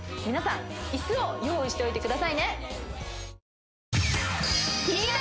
皆さんイスを用意しておいてくださいね